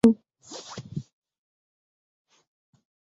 আমি শহরের বাইরে যাবো শুধু!